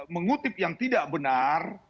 mengutip yang tidak benar